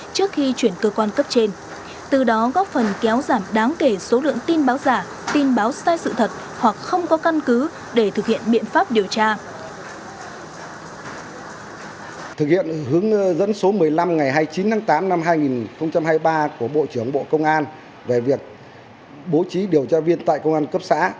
thực hiện hướng dẫn số một mươi năm ngày hai mươi chín tháng tám năm hai nghìn hai mươi ba của bộ trưởng bộ công an về việc bố trí điều tra viên tại công an cấp xã